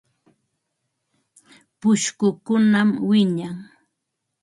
Yunka chakrachaw pushkukunam wiñan.